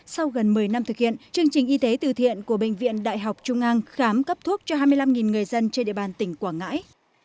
sau gần một mươi năm thực hiện chương trình y tế từ thiện của bệnh viện đại học trung an khám cấp thuốc cho hai mươi năm người dân trên địa bàn tỉnh quảng ngãi